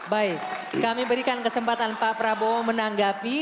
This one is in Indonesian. baik kami berikan kesempatan pak prabowo menanggapi